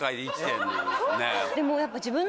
でもやっぱ。